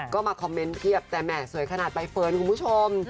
ก็มาคอมเมนต์เพียบแต่แหม่สวยขนาดใบเฟิร์นคุณผู้ชม